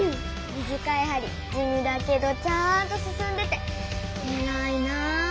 短いはりじみだけどちゃんとすすんでてえらいな！